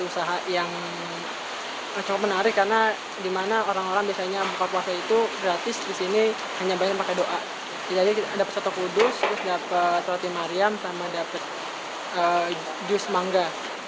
sama dapat jus mangga